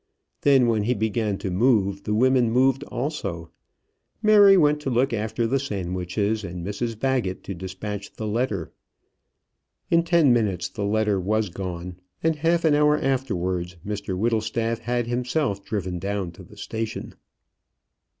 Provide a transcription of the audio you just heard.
Then when he began to move, the women moved also. Mary went to look after the sandwiches, and Mrs Baggett to despatch the letter. In ten minutes the letter was gone, and half an hour afterwards Mr Whittlestaff had himself driven down to the station.